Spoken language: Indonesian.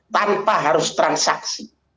tanpa harus transaksi